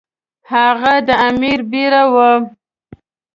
هغه د امیر بیړه وه.